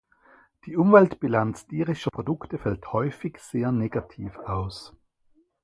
Die Umweltbilanz tierischer Produkte fällt häufig sehr negativ aus.